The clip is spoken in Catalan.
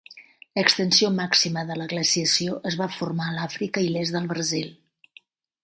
L'extensió màxima de la glaciació es va formar a l'Àfrica i l'est del Brasil.